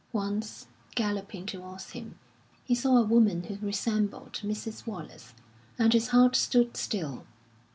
Once, galloping towards him, he saw a woman who resembled Mrs. Wallace, and his heart stood still.